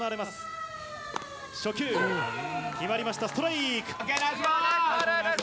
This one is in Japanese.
初球、決まりました、ストライク。